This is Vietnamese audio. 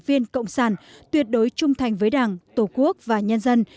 viên cộng sản tuyệt đối trung thành với đảng tổ quốc và nhân dân